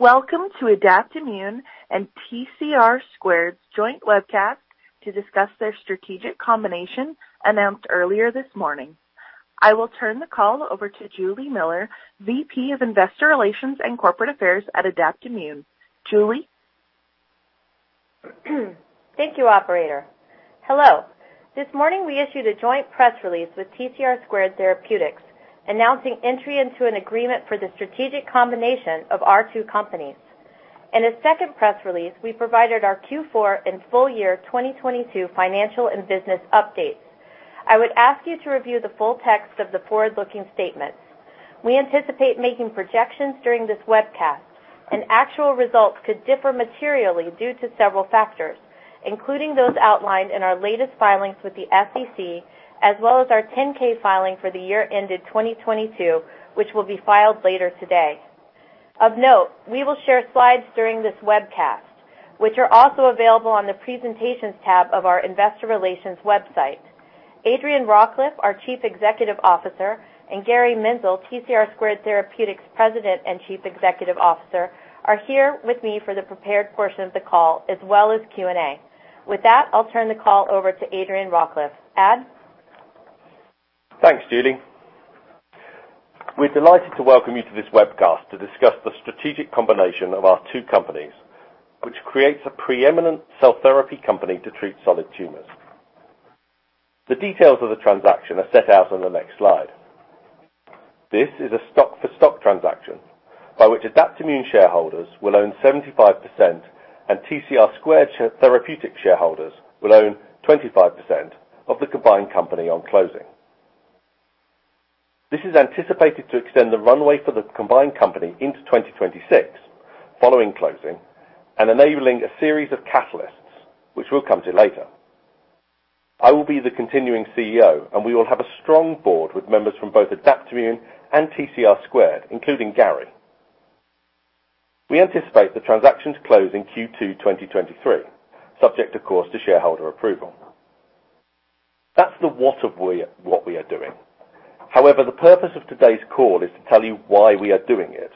Welcome to Adaptimmune and TCR²'s joint webcast to discuss their strategic combination announced earlier this morning. I will turn the call over to Juli Miller, VP of Investor Relations and Corporate Affairs at Adaptimmune. Juli? Thank you, operator. Hello. This morning, we issued a joint press release with TCR² Therapeutics, announcing entry into an agreement for the strategic combination of our two companies. In a second press release, we provided our Q4 and full year 2022 financial and business updates. I would ask you to review the full text of the forward-looking statements. We anticipate making projections during this webcast. Actual results could differ materially due to several factors, including those outlined in our latest filings with the SEC, as well as our 10-K filing for the year ended 2022, which will be filed later today. Of note, we will share slides during this webcast, which are also available on the presentations tab of our investor relations website. Adrian Rawcliffe, our Chief Executive Officer, and Garry Menzel, TCR² Therapeutics President and Chief Executive Officer, are here with me for the prepared portion of the call as well as Q&A. I'll turn the call over to Adrian Rawcliffe. Ad? Thanks, Juli. We're delighted to welcome you to this webcast to discuss the strategic combination of our two companies, which creates a preeminent cell therapy company to treat solid tumors. The details of the transaction are set out on the next slide. This is a stock-for-stock transaction by which Adaptimmune shareholders will own 75% and TCR² Therapeutics shareholders will own 25% of the combined company on closing. This is anticipated to extend the runway for the combined company into 2026 following closing and enabling a series of catalysts, which we'll come to later. I will be the continuing CEO, and we will have a strong board with members from both Adaptimmune and TCR², including Garry. We anticipate the transactions close in Q2 2023, subject, of course, to shareholder approval. That's the what of what we are doing. The purpose of today's call is to tell you why we are doing it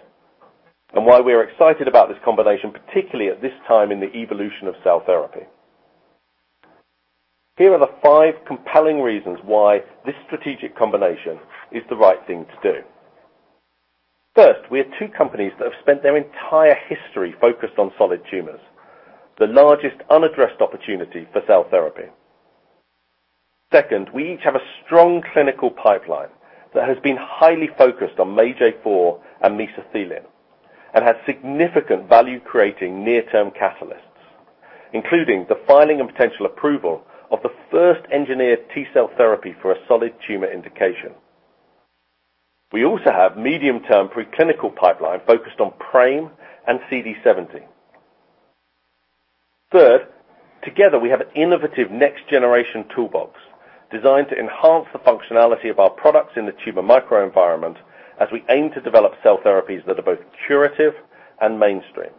and why we are excited about this combination, particularly at this time in the evolution of cell therapy. Here are the five compelling reasons why this strategic combination is the right thing to do. First, we are two companies that have spent their entire history focused on solid tumors, the largest unaddressed opportunity for cell therapy. Second, we each have a strong clinical pipeline that has been highly focused on MAGE-A4 and mesothelin and has significant value-creating near-term catalysts, including the filing and potential approval of the first engineered T-cell therapy for a solid tumor indication. We also have medium-term pre-clinical pipeline focused on PRAME and CD70. Third, together, we have an innovative next-generation toolbox designed to enhance the functionality of our products in the tumor microenvironment as we aim to develop cell therapies that are both curative and mainstream.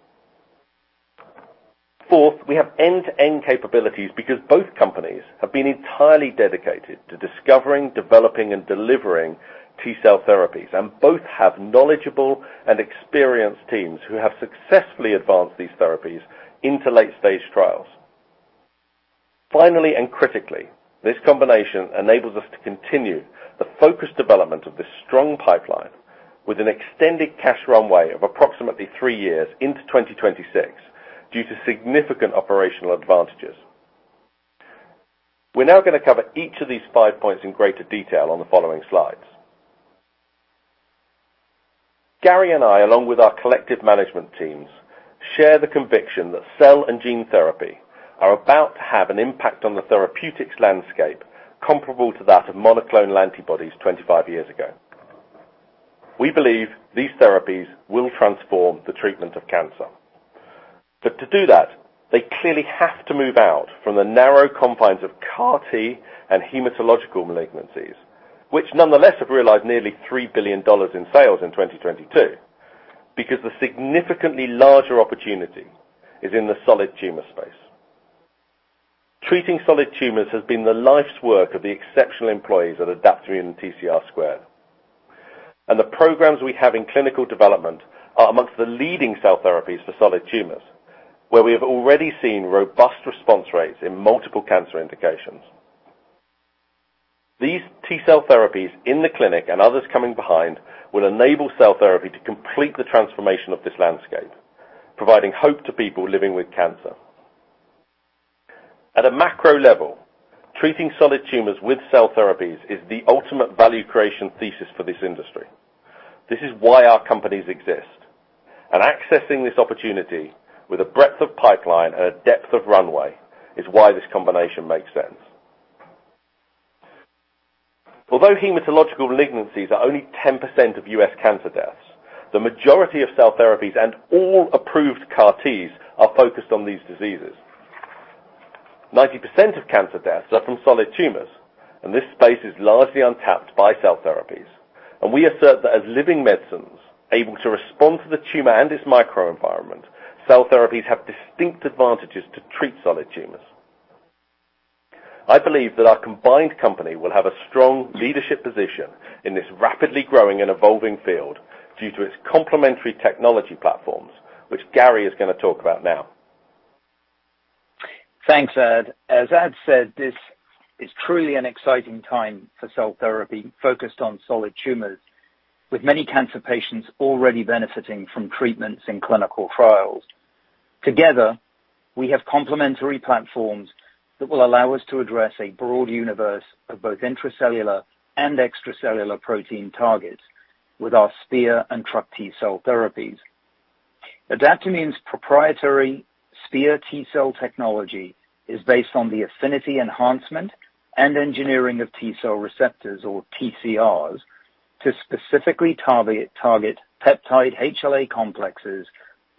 Fourth, we have end-to-end capabilities because both companies have been entirely dedicated to discovering, developing, and delivering T-cell therapies, and both have knowledgeable and experienced teams who have successfully advanced these therapies into late-stage trials. Finally, and critically, this combination enables us to continue the focused development of this strong pipeline with an extended cash runway of approximately three years into 2026 due to significant operational advantages. We're now going to cover each of these five points in greater detail on the following slides. Garry and I, along with our collective management teams, share the conviction that cell and gene therapy are about to have an impact on the therapeutics landscape comparable to that of monoclonal antibodies 25 years ago. We believe these therapies will transform the treatment of cancer. To do that, they clearly have to move out from the narrow confines of CAR-T and hematological malignancies, which nonetheless have realized nearly $3 billion in sales in 2022, because the significantly larger opportunity is in the solid tumor space. Treating solid tumors has been the life's work of the exceptional employees at Adaptimmune and TCR². The programs we have in clinical development are amongst the leading cell therapies for solid tumors, where we have already seen robust response rates in multiple cancer indications. These T-cell therapies in the clinic and others coming behind will enable cell therapy to complete the transformation of this landscape, providing hope to people living with cancer. At a macro level, treating solid tumors with cell therapies is the ultimate value creation thesis for this industry. This is why our companies exist. Accessing this opportunity with a breadth of pipeline and a depth of runway is why this combination makes sense. Although hematological malignancies are only 10% of U.S. cancer deaths, the majority of cell therapies and all approved CAR-Ts are focused on these diseases. 90% of cancer deaths are from solid tumors, and this space is largely untapped by cell therapies. We assert that as living medicines able to respond to the tumor and its microenvironment, cell therapies have distinct advantages to treat solid tumors. I believe that our combined company will have a strong leadership position in this rapidly growing and evolving field due to its complementary technology platforms, which Garry is gonna talk about now. Thanks, Ad. As Ad said, this is truly an exciting time for cell therapy focused on solid tumors, with many cancer patients already benefiting from treatments in clinical trials. Together, we have complementary platforms that will allow us to address a broad universe of both intracellular and extracellular protein targets with our SPEAR and TRuC T-cell therapies. Adaptimmune's proprietary SPEAR T-cell technology is based on the affinity enhancement and engineering of T-cell receptors or TCRs to specifically target peptide HLA complexes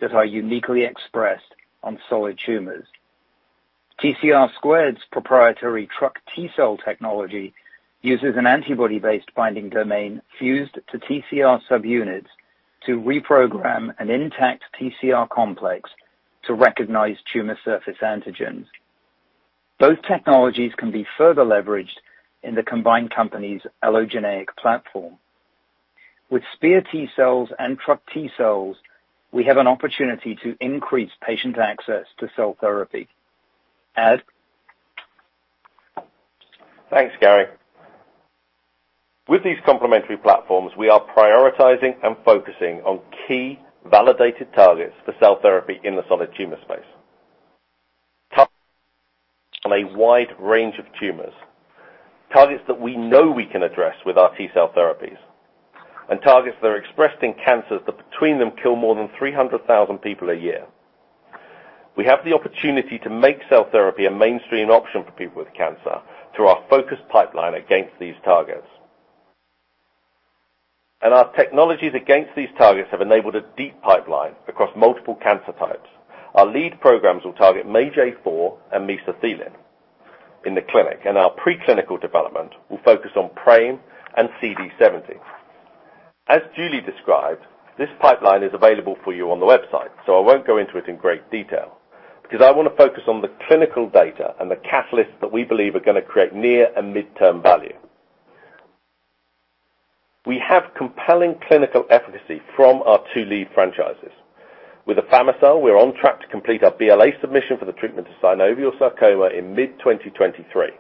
that are uniquely expressed on solid tumors. TCR²'s proprietary TRuC T-cell technology uses an antibody-based binding domain fused to TCR subunits to reprogram an intact TCR complex to recognize tumor surface antigens. Both technologies can be further leveraged in the combined company's allogeneic platform. With SPEAR T-cells and TRuC T-cells, we have an opportunity to increase patient access to cell therapy. Ad? Thanks, Garry. With these complementary platforms, we are prioritizing and focusing on key validated targets for cell therapy in the solid tumor space. Targets a wide range of tumors, targets that we know we can address with our T-cell therapies, and targets that are expressed in cancers that between them kill more than 300,000 people a year. We have the opportunity to make cell therapy a mainstream option for people with cancer through our focused pipeline against these targets. Our technologies against these targets have enabled a deep pipeline across multiple cancer types. Our lead programs will target MAGE-A4 and mesothelin in the clinic, and our preclinical development will focus on PRAME and CD70. As Juli described, this pipeline is available for you on the website. I won't go into it in great detail because I wanna focus on the clinical data and the catalysts that we believe are gonna create near and midterm value. We have compelling clinical efficacy from our two lead franchises. With afami-cel, we're on track to complete our BLA submission for the treatment of synovial sarcoma in mid-2023,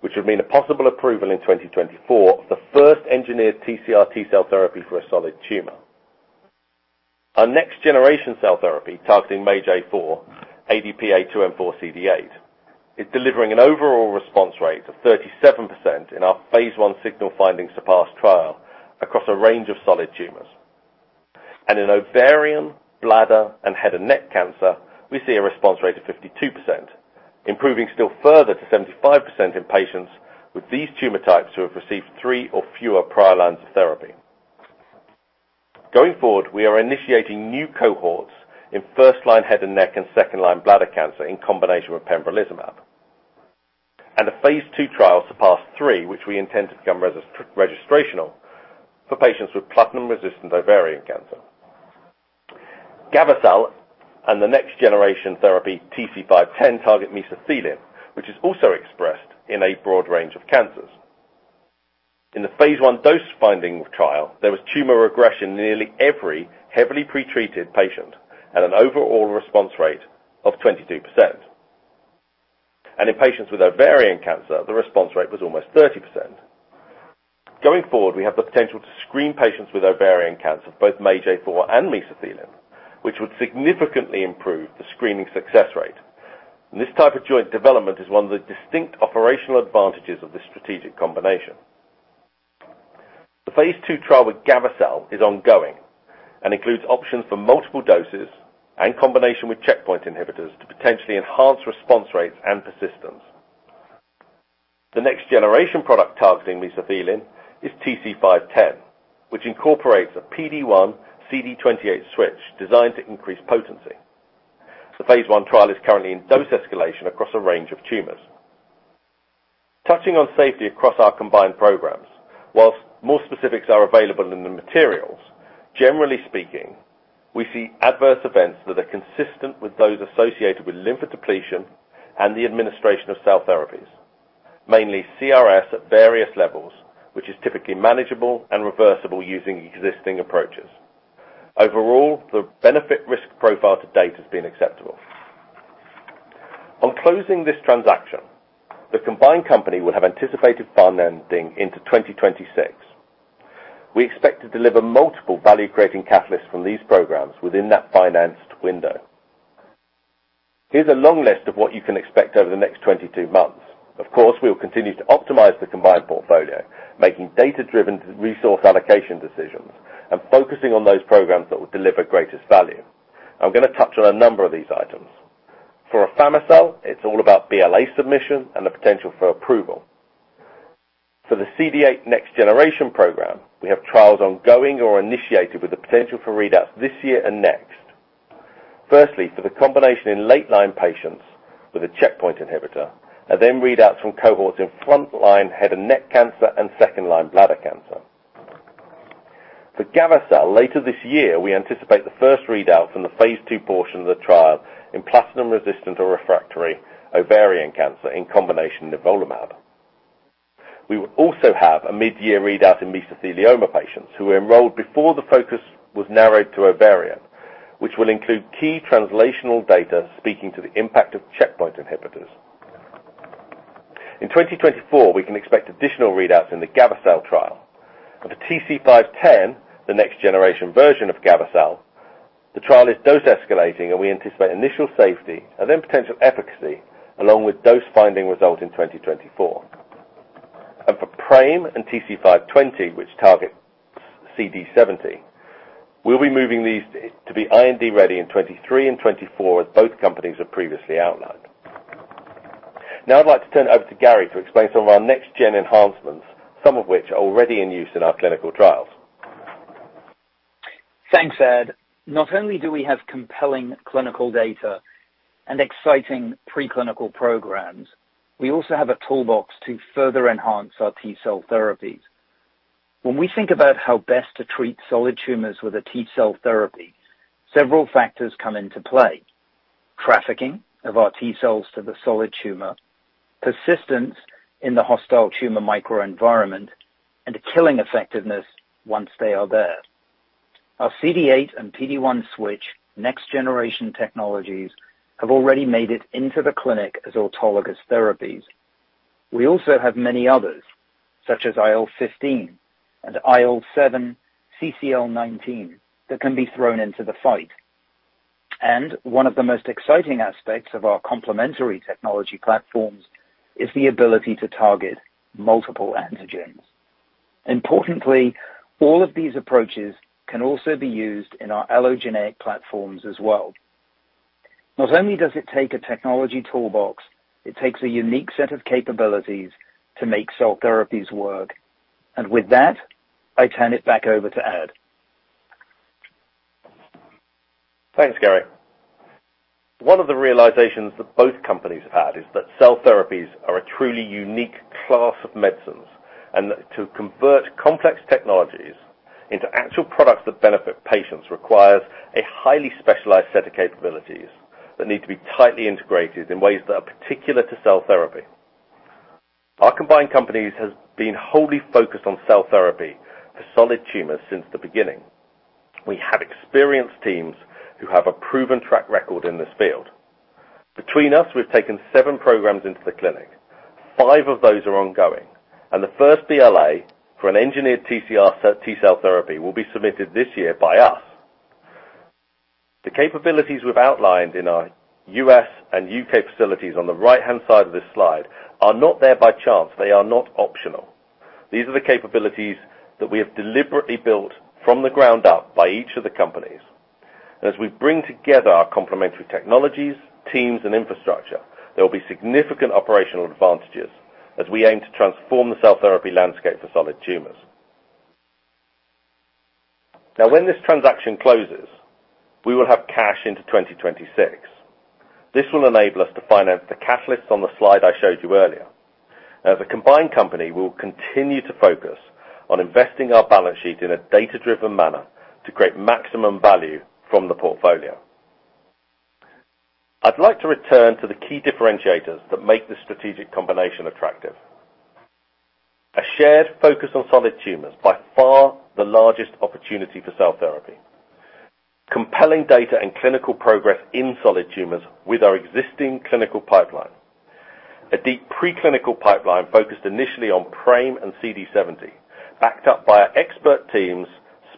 which would mean a possible approval in 2024, the first engineered TCR T-cell therapy for a solid tumor. Our next generation cell therapy targeting MAGE-A4, ADP-A2M4CD8, is delivering an overall response rate of 37% in our phase I signal-finding SURPASS trial across a range of solid tumors. In ovarian, bladder, and head and neck cancer, we see a response rate of 52%, improving still further to 75% in patients with these tumor types who have received three or fewer prior lines of therapy. Going forward, we are initiating new cohorts in first-line head and neck and second-line bladder cancer in combination with pembrolizumab. A phase II trial, SURPASS-3, which we intend to become registrational for patients with platinum-resistant ovarian cancer. Gavo-cel and the next generation therapy, TC-510, target mesothelin, which is also expressed in a broad range of cancers. In the phase I dose-finding trial, there was tumor regression in nearly every heavily pretreated patient and an overall response rate of 22%. In patients with ovarian cancer, the response rate was almost 30%. This type of joint development is one of the distinct operational advantages of this strategic combination. The phase II trial with gavo-cel is ongoing and includes options for multiple doses and combination with checkpoint inhibitors to potentially enhance response rates and persistence. The next generation product targeting mesothelin is TC-510, which incorporates a PD-1 CD28 switch designed to increase potency. The phase I trial is currently in dose escalation across a range of tumors. Touching on safety across our combined programs. Whilst more specifics are available in the materials, generally speaking, we see adverse events that are consistent with those associated with lymphodepletion and the administration of cell therapies, mainly CRS at various levels, which is typically manageable and reversible using existing approaches. Overall, the benefit risk profile to date has been acceptable. On closing this transaction, the combined company will have anticipated funding into 2026. We expect to deliver multiple value-creating catalysts from these programs within that financed window. Here's a long list of what you can expect over the next 22 months. Of course, we will continue to optimize the combined portfolio, making data-driven resource allocation decisions and focusing on those programs that will deliver greatest value. I'm gonna touch on a number of these items. For afami-cel, it's all about BLA submission and the potential for approval. For the CD8 next-generation program, we have trials ongoing or initiated with the potential for readouts this year and next. Firstly, for the combination in late-line patients with a checkpoint inhibitor, and then readouts from cohorts in front line head and neck cancer and second-line bladder cancer. For gavo-cel, later this year, we anticipate the first readout from the phase II portion of the trial in platinum-resistant or refractory ovarian cancer in combination nivolumab. We will also have a mid-year readout in mesothelioma patients who were enrolled before the focus was narrowed to ovarian, which will include key translational data speaking to the impact of checkpoint inhibitors. In 2024, we can expect additional readouts in the gavo-cel trial. For TC-510, the next generation version of gavo-cel, the trial is dose escalating, and we anticipate initial safety and then potential efficacy along with dose finding results in 2024. For PRAME and TC-520, which target CD70, we'll be moving these to be IND-ready in 2023 and 2024, as both companies have previously outlined. Now I'd like to turn it over to Garry to explain some of our next-gen enhancements, some of which are already in use in our clinical trials. Thanks, Ad. Not only do we have compelling clinical data and exciting preclinical programs, we also have a toolbox to further enhance our T-cell therapies. When we think about how best to treat solid tumors with a T-cell therapy, several factors come into play. Trafficking of our T-cells to the solid tumor, persistence in the hostile tumor microenvironment, and killing effectiveness once they are there. Our CD8 and PD-1 switch next-generation technologies have already made it into the clinic as autologous therapies. We also have many others, such as IL-15 and IL-7, CCL19, that can be thrown into the fight. One of the most exciting aspects of our complementary technology platforms is the ability to target multiple antigens. Importantly, all of these approaches can also be used in our allogeneic platforms as well. Not only does it take a technology toolbox, it takes a unique set of capabilities to make cell therapies work. With that, I turn it back over to Ad. Thanks, Garry. One of the realizations that both companies have had is that cell therapies are a truly unique class of medicines, and that to convert complex technologies into actual products that benefit patients requires a highly specialized set of capabilities that need to be tightly integrated in ways that are particular to cell therapy. Our combined companies has been wholly focused on cell therapy for solid tumors since the beginning. We have experienced teams who have a proven track record in this field. Between us, we've taken seven programs into the clinic. Five of those are ongoing, and the first BLA for an engineered TCR T-cell therapy will be submitted this year by us. The capabilities we've outlined in our U.S. and U.K. facilities on the right-hand side of this slide are not there by chance. They are not optional. These are the capabilities that we have deliberately built from the ground up by each of the companies. As we bring together our complementary technologies, teams, and infrastructure, there will be significant operational advantages as we aim to transform the cell therapy landscape for solid tumors. When this transaction closes, we will have cash into 2026. This will enable us to finance the catalysts on the slide I showed you earlier. As a combined company, we will continue to focus on investing our balance sheet in a data-driven manner to create maximum value from the portfolio. I'd like to return to the key differentiators that make this strategic combination attractive. A shared focus on solid tumors, by far the largest opportunity for cell therapy. Compelling data and clinical progress in solid tumors with our existing clinical pipeline. A deep preclinical pipeline focused initially on PRAME and CD70, backed up by our expert teams,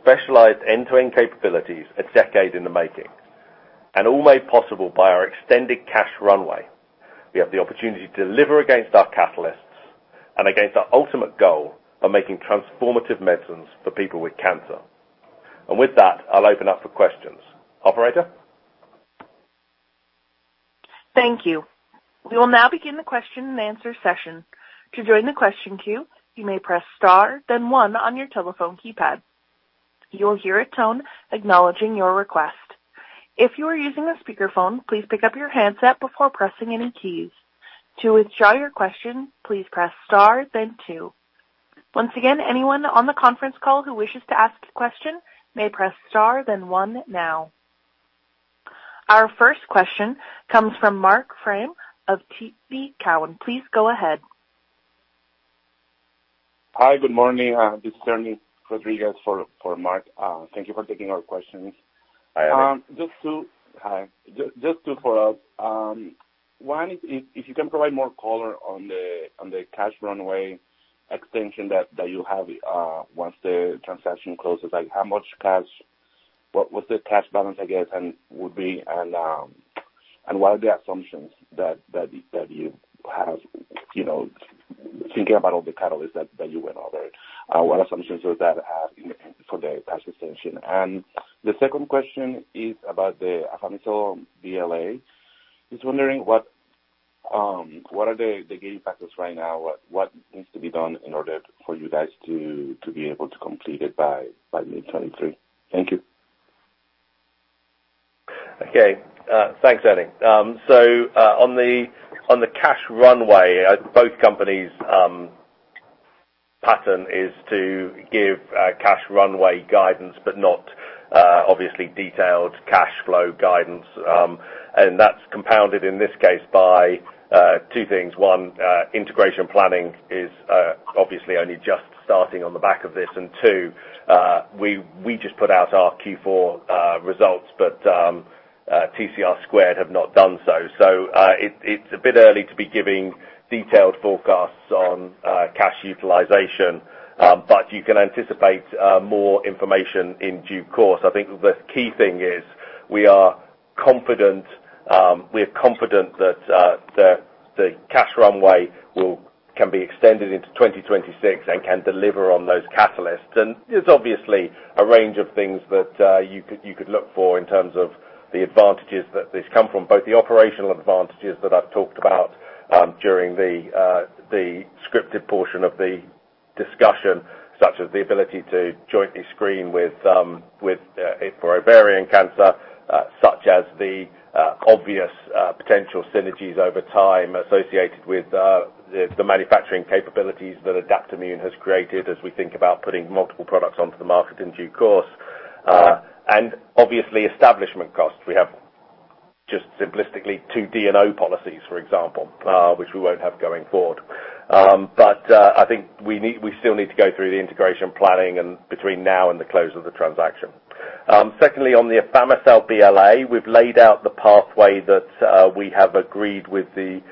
specialized end-to-end capabilities, a decade in the making, and all made possible by our extended cash runway. We have the opportunity to deliver against our catalysts and against our ultimate goal of making transformative medicines for people with cancer. With that, I'll open up for questions. Operator? Thank you. We will now begin the question-and-answer session. To join the question queue, you may press star then 1 on your telephone keypad. You will hear a tone acknowledging your request. If you are using a speakerphone, please pick up your handset before pressing any keys. To withdraw your question, please press star then two. Once again, anyone on the conference call who wishes to ask a question may press star then one now. Our first question comes from Marc Frahm of TD Cowen. Please go ahead. Hi, good morning. This is Ernie Rodriguez for Marc Frahm. Thank you for taking our questions. Hi, Ernie. Hi. Just to follow up, one is, if you can provide more color on the cash runway extension that you have once the transaction closes. Like, how much cash, what's the cash balance, I guess, and what are the assumptions that you have, you know, thinking about all the catalysts that you went over? What assumptions does that have for the cash extension? The second question is about the afami-cel BLA. Just wondering what the gating factors right now? What needs to be done in order for you guys to be able to complete it by mid-2023? Thank you. Okay. Thanks, Ernie. On the cash runway, both companies pattern is to give cash runway guidance, but not obviously detailed cash flow guidance. That's compounded in this case by two things. One, integration planning is obviously only just starting on the back of this. Two, we just put out our Q4 results, but TCR² have not done so. It's a bit early to be giving detailed forecasts on cash utilization, but you can anticipate more information in due course. I think the key thing is we are confident we are confident that the cash runway can be extended into 2026 and can deliver on those catalysts. There's obviously a range of things that you could look for in terms of the advantages that this come from, both the operational advantages that I've talked about during the scripted portion of the discussion, such as the ability to jointly screen with for ovarian cancer, such as the obvious potential synergies over time associated with the manufacturing capabilities that Adaptimmune has created as we think about putting multiple products onto the market in due course. Obviously establishment costs. We have just simplistically two D&O policies, for example, which we won't have going forward. I think we need, we still need to go through the integration planning and between now and the close of the transaction. Secondly, on the afami-cel BLA, we've laid out the pathway that we have agreed with the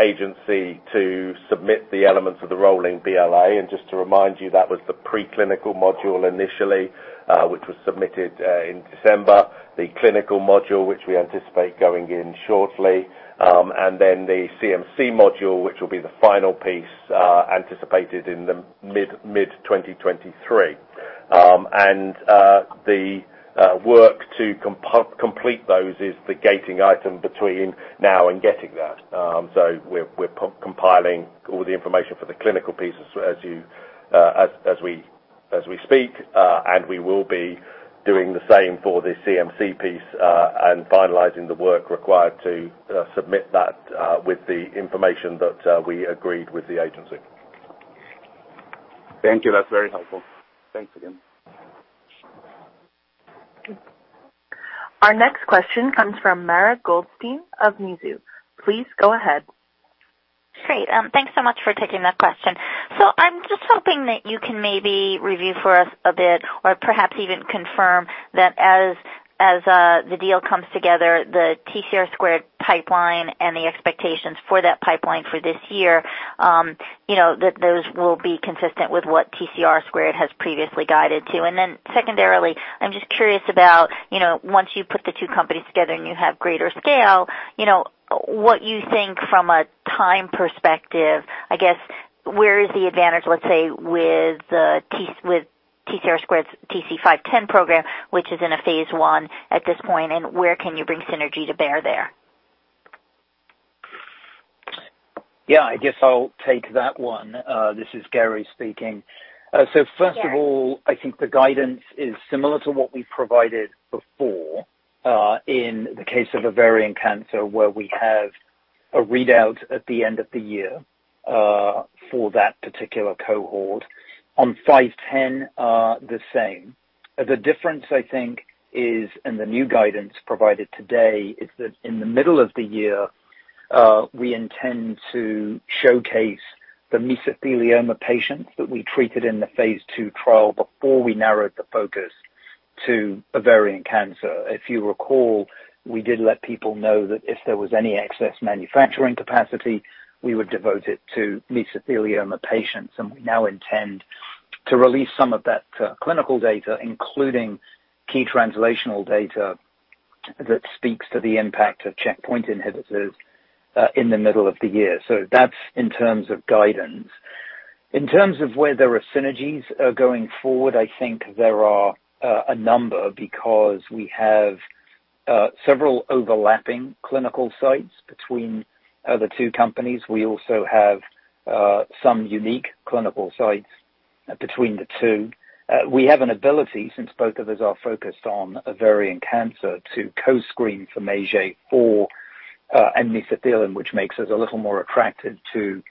agency to submit the elements of the rolling BLA. Just to remind you, that was the preclinical module initially, which was submitted in December, the clinical module, which we anticipate going in shortly, then the CMC module, which will be the final piece, anticipated in mid-2023. The work to complete those is the gating item between now and getting that. We're compiling all the information for the clinical pieces as you, as we speak, and we will be doing the same for the CMC piece, and finalizing the work required to submit that with the information that we agreed with the agency. Thank you. That's very helpful. Thanks again. Our next question comes from Mara Goldstein of Mizuho. Please go ahead. Great. Thanks so much for taking that question. I'm just hoping that you can maybe review for us a bit or perhaps even confirm that as the deal comes together, the TCR² pipeline and the expectations for that pipeline for this year, you know, that those will be consistent with what TCR² has previously guided to. Secondarily, I'm just curious about, you know, once you put the two companies together and you have greater scale, you know, what you think from a time perspective, I guess, where is the advantage, let's say, with TCR²'s TC-510 program, which is in a phase I at this point, and where can you bring synergy to bear there? Yeah. I guess I'll take that one. This is Garry speaking. First of all. I think the guidance is similar to what we provided before, in the case of ovarian cancer, where we have a readout at the end of the year, for that particular cohort. On TC-510, the same. The difference, I think, is, in the new guidance provided today, is that in the middle of the year, we intend to showcase the mesothelioma patients that we treated in the phase II trial before we narrowed the focus to ovarian cancer. If you recall, we did let people know that if there was any excess manufacturing capacity, we would devote it to mesothelioma patients, and we now intend to release some of that, clinical data, including key translational data that speaks to the impact of checkpoint inhibitors, in the middle of the year. That's in terms of guidance. In terms of where there are synergies, going forward, I think there are a number because we have several overlapping clinical sites between the two companies. We also have some unique clinical sites between the two. We have an ability, since both of us are focused on ovarian cancer, to co-screen for MAGE-A4 or mesothelin, which makes us a little more attractive to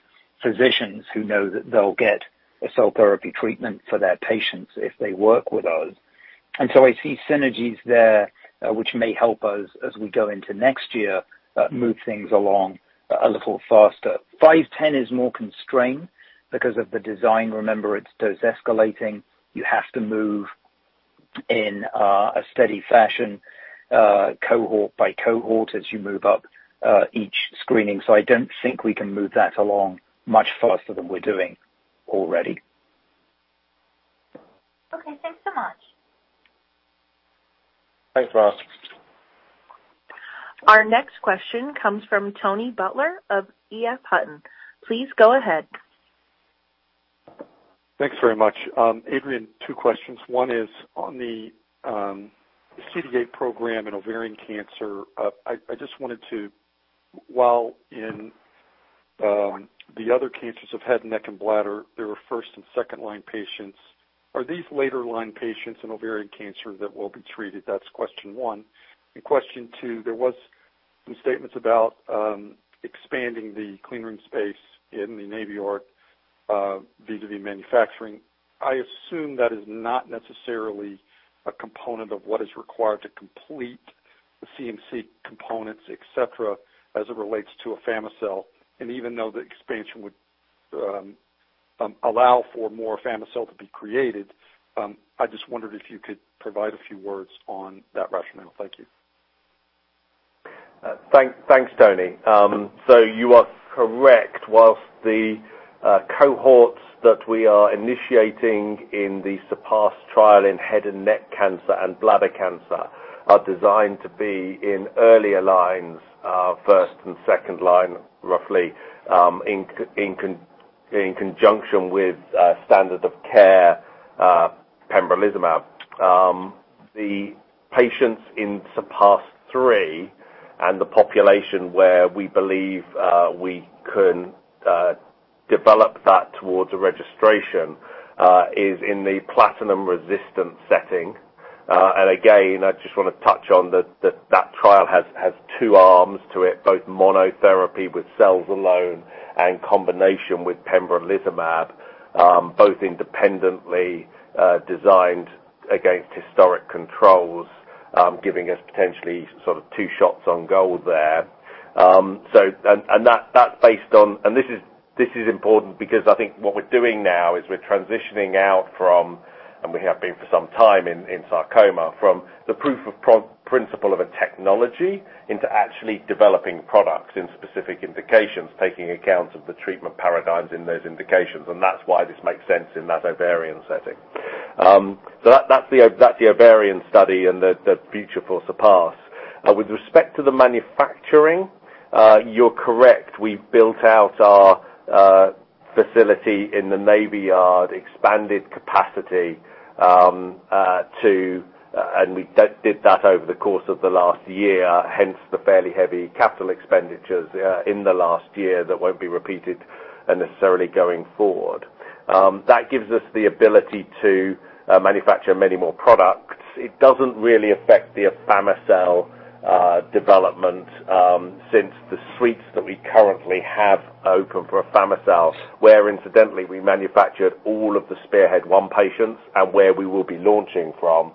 physicians who know that they'll get a cell therapy treatment for their patients if they work with us. I see synergies there, which may help us as we go into next year, move things along a little faster. TC-510 is more constrained because of the design. Remember, it's dose escalating. You have to move in a steady fashion, cohort by cohort as you move up each screening. I don't think we can move that along much faster than we're doing already. Okay. Thanks so much. Thanks for asking. Our next question comes from Tony Butler of EF Hutton. Please go ahead. Thanks very much. Adrian, two questions. One is on the CDA program in ovarian cancer. The other cancers of head, neck, and bladder, there were first and second line patients. Are these later line patients in ovarian cancer that will be treated? That's question one. Question two, there was some statements about expanding the clean room space in the Navy Yard vis-a-vis manufacturing. I assume that is not necessarily a component of what is required to complete the CMC components, et cetera, as it relates to afami-cel. Even though the expansion would allow for more afami-cel to be created, I just wondered if you could provide a few words on that rationale. Thank you. Thanks, Tony. You are correct. Whilst the cohorts that we are initiating in the SURPASS trial in head and neck cancer and bladder cancer are designed to be in earlier lines, first and second line, roughly, in conjunction with standard of care, pembrolizumab. The patients in SURPASS-3 and the population where we believe we can develop that towards a registration is in the platinum resistant setting. Again, I just wanna touch on that trial has two arms to it, both monotherapy with cells alone and combination with pembrolizumab, both independently designed against historic controls, giving us potentially sort of two shots on goal there. This is important because I think what we're doing now is we're transitioning out from, and we have been for some time in sarcoma, from the proof of principle of a technology into actually developing products in specific indications, taking account of the treatment paradigms in those indications, and that's why this makes sense in that ovarian setting. That's the ovarian study and the future for SURPASS. With respect to the manufacturing, you're correct. We built out our facility in the Navy Yard, expanded capacity, we did that over the course of the last year, hence the fairly heavy capital expenditures in the last year that won't be repeated necessarily going forward. That gives us the ability to manufacture many more products. It doesn't really affect the afami-cel development, since the suites that we currently have open for afami-cel, where incidentally we manufactured all of the SPEARHEAD-1 patients and where we will be launching from.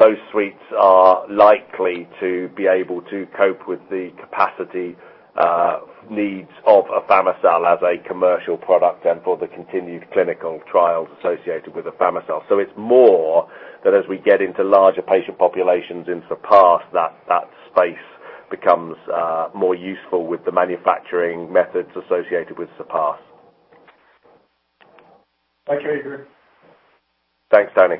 Those suites are likely to be able to cope with the capacity needs of afami-cel as a commercial product and for the continued clinical trials associated with afami-cel. It's more that as we get into larger patient populations in SURPASS, that that space becomes more useful with the manufacturing methods associated with SURPASS. Thank you, Adrian. Thanks, Tony.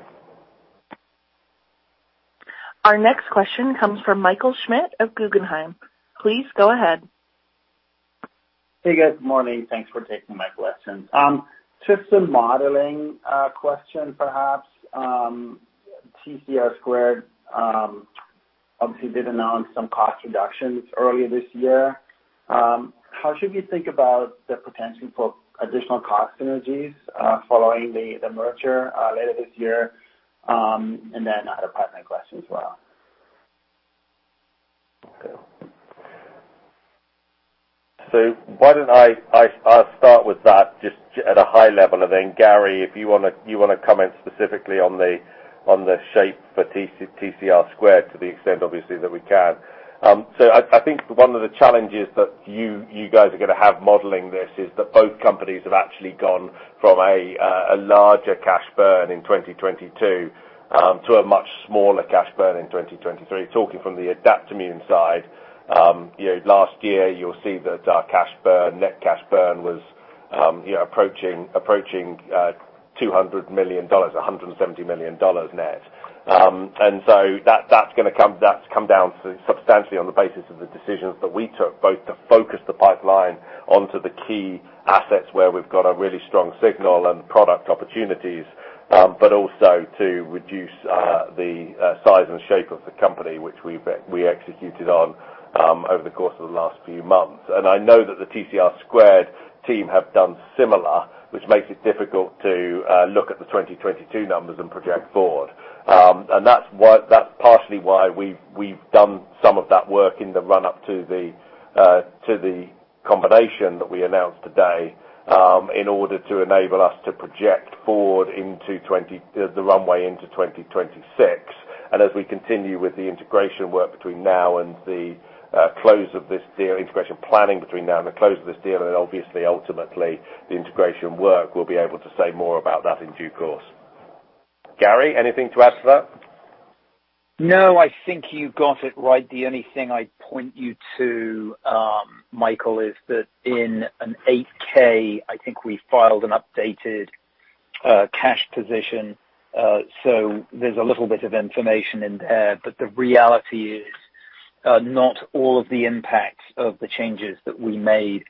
Our next question comes from Michael Schmidt of Guggenheim. Please go ahead. Hey, guys. Good morning. Thanks for taking my questions. Just a modeling question perhaps. TCR² obviously did announce some cost reductions earlier this year. How should we think about the potential for additional cost synergies following the merger later this year? I had a partner question as well. Okay. Why don't I start with that just at a high level. Then Garry, if you wanna comment specifically on the, on the shape for TCR² to the extent obviously that we can. I think one of the challenges that you guys are gonna have modeling this is that both companies have actually gone from a larger cash burn in 2022 to a much smaller cash burn in 2023. Talking from the Adaptimmune side, you know, last year you'll see that our cash burn, net cash burn was, you know, approaching $200 million, $170 million net. That's come down substantially on the basis of the decisions that we took, both to focus the pipeline onto the key assets where we've got a really strong signal and product opportunities, but also to reduce the size and shape of the company, which we've, we executed on over the course of the last few months. I know that the TCR² team have done similar, which makes it difficult to look at the 2022 numbers and project forward. That's partially why we've done some of that work in the run up to the combination that we announced today, in order to enable us to project forward into the runway into 2026. As we continue with the integration work between now and the close of this deal, integration planning between now and the close of this deal, and obviously ultimately the integration work, we'll be able to say more about that in due course. Garry, anything to add to that? No, I think you got it right. The only thing I'd point you to, Michael, is that in an 8-K, I think we filed an updated cash position. There's a little bit of information in there. The reality is, not all of the impacts of the changes that we made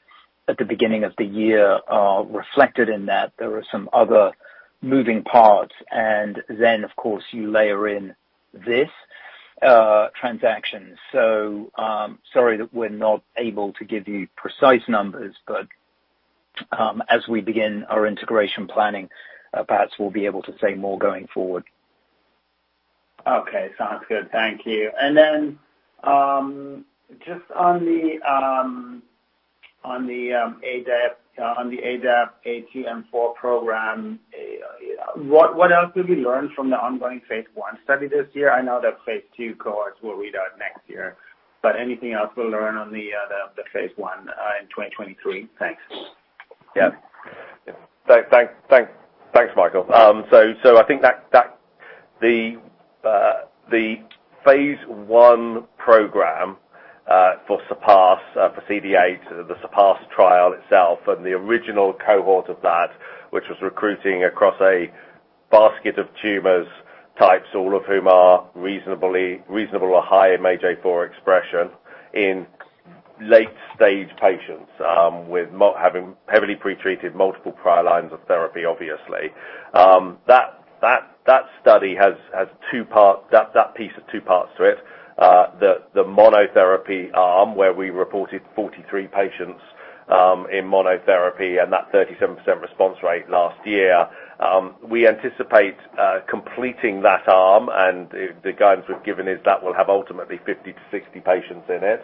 at the beginning of the year are reflected in that. There are some other moving parts. Then of course, you layer in this transaction. sorry that we're not able to give you precise numbers, but, as we begin our integration planning, perhaps we'll be able to say more going forward. Okay. Sounds good. Thank you. Just on the ADP-A2M4 program, what else did we learn from the ongoing phase I study this year? I know the phase II cohorts will read out next year. Anything else we'll learn on the phase I in 2023? Thanks. Thanks. Thanks Michael. I think that, the phase I program for SURPASS, for CD8, the SURPASS trial itself, and the original cohort of that, which was recruiting across a basket of tumors types, all of whom are reasonably reasonable or high in MAGE-A4 expression in late stage patients, having heavily pretreated multiple prior lines of therapy obviously. That study has two parts. That piece has two parts to it. The monotherapy arm, where we reported 43 patients in monotherapy and that 37% response rate last year. We anticipate completing that arm. The guidance we've given is that we'll have ultimately 50-60 patients in it,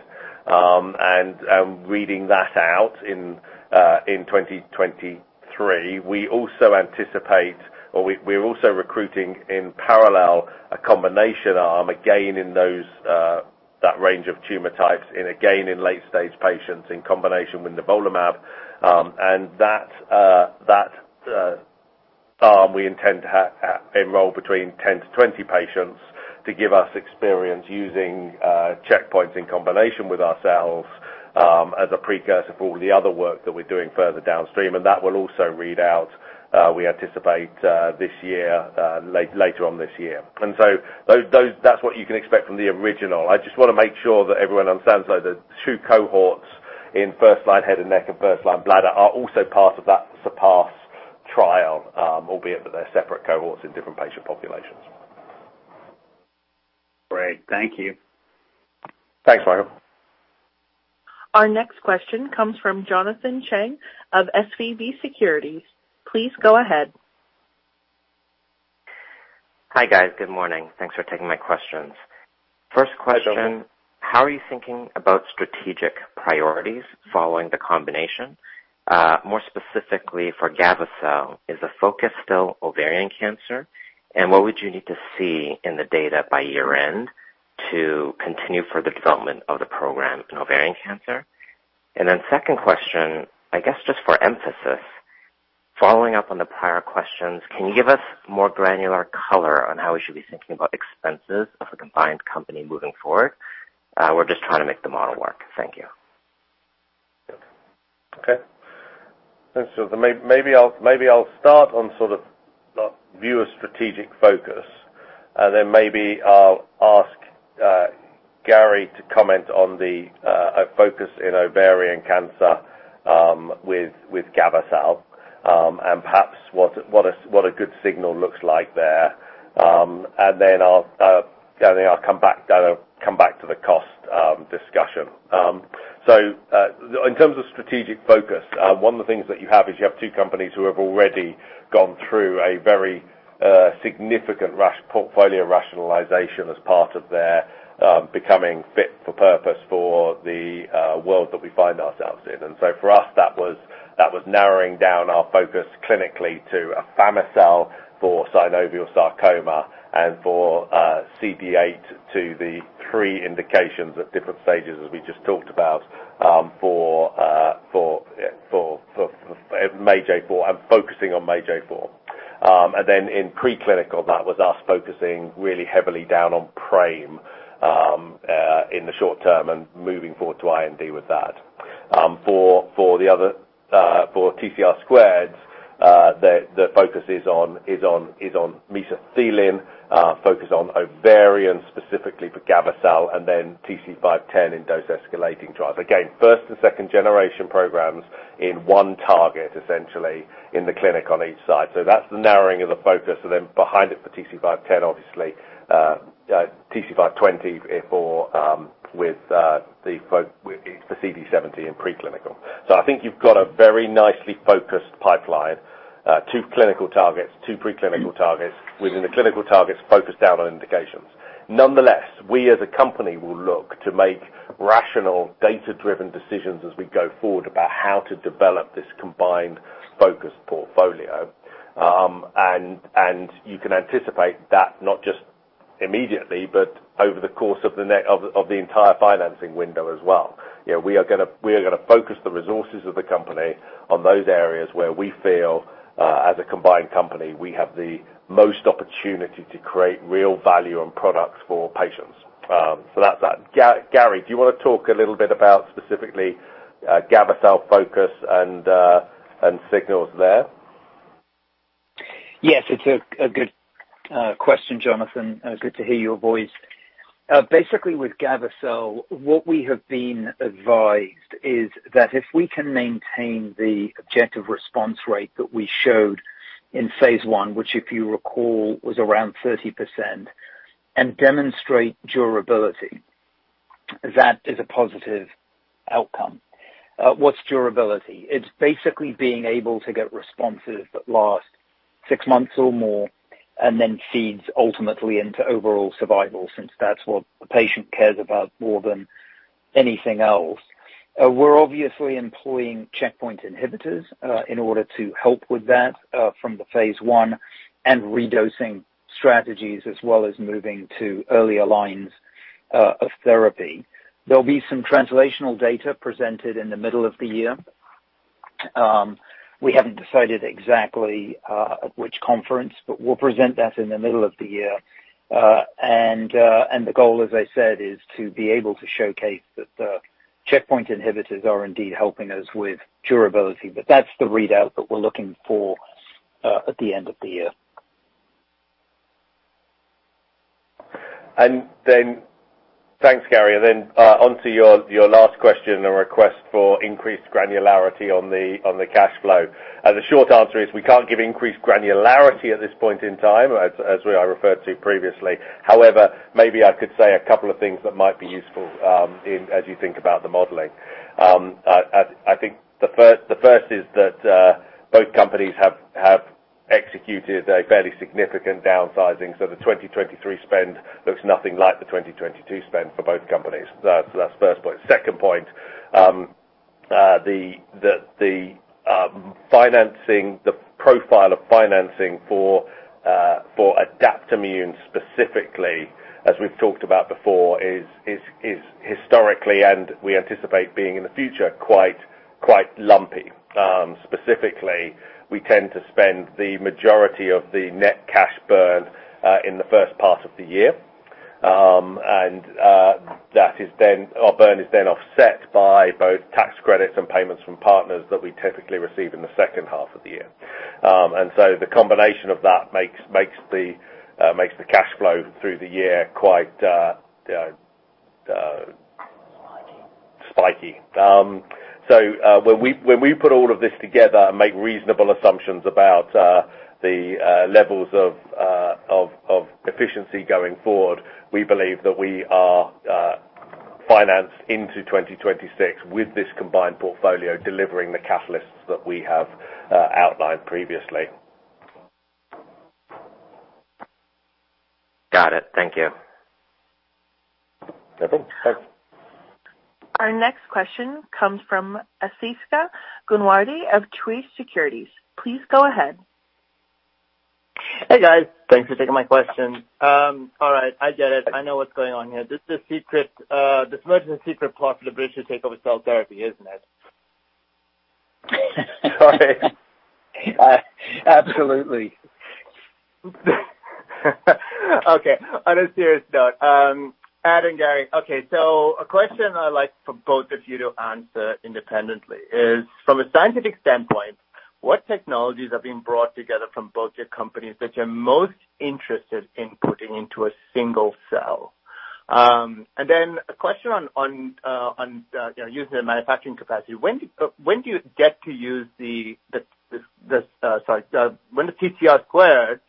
and reading that out in 2023. We're also recruiting in parallel a combination arm, again in those that range of tumor types and again, in late stage patients in combination with nivolumab. That arm we intend to enroll between 10 to 20 patients to give us experience using checkpoints in combination with ourselves as a precursor for all the other work that we're doing further downstream. That will also read out, we anticipate, this year, later on this year. Those that's what you can expect from the original. I just wanna make sure that everyone understands, though, the two cohorts in first line head and neck and first line bladder are also part of that SURPASS trial, albeit that they're separate cohorts in different patient populations. Great. Thank you. Thanks, Michael. Our next question comes from Jonathan Chang of SVB Securities. Please go ahead. Hi, guys. Good morning. Thanks for taking my questions. First question. How are you thinking about strategic priorities following the combination? More specifically for gavo-cel, is the focus still ovarian cancer? What would you need to see in the data by year end to continue for the development of the program in ovarian cancer? Second question, I guess just for emphasis, following up on the prior questions, can you give us more granular color on how we should be thinking about expenses of the combined company moving forward? We're just trying to make the model work. Thank you. Maybe I'll start on sort of the viewer strategic focus, then I'll ask Garry to comment on the focus in ovarian cancer with gavo-cel, and perhaps what a good signal looks like there. Then I'll come back, come back to the cost discussion. In terms of strategic focus, one of the things that you have is you have two companies who have already gone through a very significant portfolio rationalization as part of their becoming fit for purpose for the world that we find ourselves in. For us, that was narrowing down our focus clinically to afami-cel for synovial sarcoma and for CD8 to the three indications at different stages, as we just talked about, for MAGE-A4 and focusing on MAGE-A4. In preclinical, that was us focusing really heavily down on PRAME in the short term and moving forward to IND with that. For the other, for TCR², the focus is on mesothelioma, focused on ovarian specifically for gavo-cel and then TC-510 in dose escalating trials. Again, first and second generation programs in one target, essentially in the clinic on each side. That's the narrowing of the focus. Behind it for TC-510, obviously, TC-520 with the CD70 in preclinical. I think you've got a very nicely focused pipeline, two clinical targets, two preclinical targets. Within the clinical targets, focused out on indications. Nonetheless, we as a company will look to make rational, data-driven decisions as we go forward about how to develop this combined focused portfolio. And you can anticipate that not just immediately, but over the course of the entire financing window as well. You know, we are gonna focus the resources of the company on those areas where we feel as a combined company, we have the most opportunity to create real value and products for patients. That's that. Garry, do you wanna talk a little bit about specifically, gavo-cel focus and signals there? Yes, it's a good question, Jonathan. Good to hear your voice. Basically with gavo-cel, what we have been advised is that if we can maintain the objective response rate that we showed. In phase I, which if you recall, was around 30% and demonstrate durability. That is a positive outcome. What's durability? It's basically being able to get responses that last six months or more, and then feeds ultimately into overall survival, since that's what the patient cares about more than anything else. We're obviously employing checkpoint inhibitors in order to help with that from the phase I and re-dosing strategies, as well as moving to earlier lines of therapy. There'll be some translational data presented in the middle of the year. We haven't decided exactly which conference, but we'll present that in the middle of the year. The goal, as I said, is to be able to showcase that the checkpoint inhibitors are indeed helping us with durability. That's the readout that we're looking for at the end of the year. Thanks, Garry. onto your last question, a request for increased granularity on the cash flow. The short answer is, we can't give increased granularity at this point in time, as I referred to previously. However, maybe I could say a couple of things that might be useful as you think about the modeling. I think the first is that both companies have executed a fairly significant downsizing. The 2023 spend looks nothing like the 2022 spend for both companies. That's first point. Second point, the financing, the profile of financing for Adaptimmune specifically, as we've talked about before, is historically and we anticipate being in the future, quite lumpy. Specifically, we tend to spend the majority of the net cash burn in the first part of the year. Burn is then offset by both tax credits and payments from partners that we typically receive in the second half of the year. The combination of that makes the cash flow through the year quite, you know. Spiky. When we put all of this together and make reasonable assumptions about the levels of efficiency going forward, we believe that we are financed into 2026 with this combined portfolio delivering the catalysts that we have outlined previously. Got it. Thank you. Nothing. Thanks. Our next question comes from Asthika Goonewardene of Truist Securities. Please go ahead. Hey, guys. Thanks for taking my question. All right, I get it. I know what's going on here. This is a secret, this merger is a secret plot for the British to take over cell therapy, isn't it? Sorry. Absolutely. Okay. On a serious note, Ad and Garry, okay, a question I'd like for both of you to answer independently is, from a scientific standpoint, what technologies are being brought together from both your companies that you're most interested in putting into a single cell? A question on, you know, using the manufacturing capacity. When do you get to use when the TCR² wants